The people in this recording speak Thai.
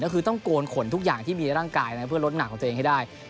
ก็คือต้องโกนขนทุกอย่างที่มีร่างกายเพื่อลดหนักของตัวเองให้ได้